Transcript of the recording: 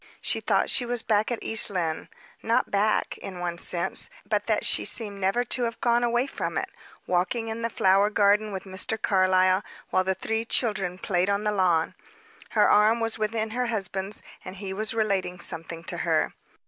She thought she was back at East Lynne not back, in one sense, but that she seemed never to have gone away from it walking in the flower garden with Mr. Carlyle, while the three children played on the lawn. Her arm was within her husband's, and he was relating something to her.